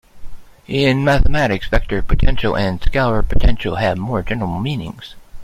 In mathematics, vector potential and scalar potential have more general meanings.